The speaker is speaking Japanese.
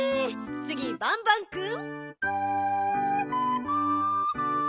つぎバンバンくん。